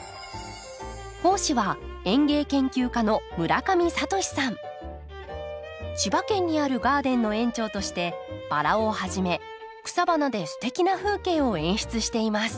講師は千葉県にあるガーデンの園長としてバラをはじめ草花ですてきな風景を演出しています。